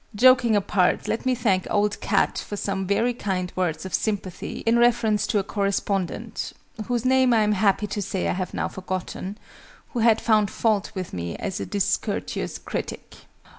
Joking apart, let me thank OLD CAT for some very kind words of sympathy, in reference to a correspondent (whose name I am happy to say I have now forgotten) who had found fault with me as a discourteous critic.